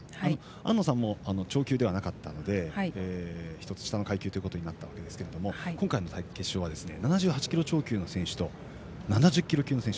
阿武さんも超級ではなかったので１つ下の階級でしたが今回の決勝は７８キロ超級の選手と７０キロ級の選手。